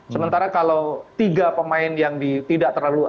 sementara kalau tiga pemain yang tidak terlalu